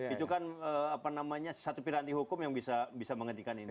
itu kan apa namanya satu piranti hukum yang bisa menghentikan ini